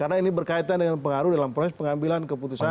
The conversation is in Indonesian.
karena ini berkaitan dengan pengaruh dalam proses pengambilan keputusan